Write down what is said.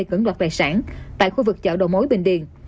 cấn đoạt tài sản tại khu vực chợ đồ mối bình điền